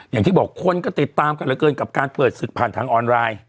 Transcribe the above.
อย่างที่บอกคนก็ติดตามกันเหลือเกินกับการเปิดศึกผ่านทางออนไลน์